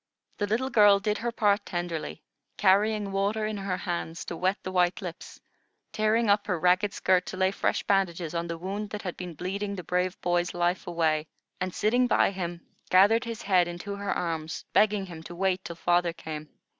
The little girl did her part tenderly, carrying water in her hands to wet the white lips, tearing up her ragged skirt to lay fresh bandages on the wound that had been bleeding the brave boy's life away, and, sitting by him, gathered his head into her arms, begging him to wait till father came.